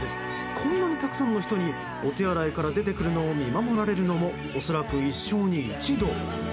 こんなにたくさんの人にお手洗いから出てくるのを見守られるのも恐らく一生に一度。